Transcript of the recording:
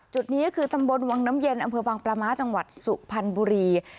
จุดนี้คือตำบลวังน้ำเย็นอำเภอบางปลาม้าจังหวัดสุพรรณบุรี